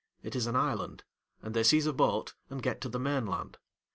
It is an island, and they seize a boat, and get to the main land.